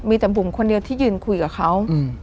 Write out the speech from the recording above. มีแต่บุ๋มคนเดียวที่ยืนคุยกับเขา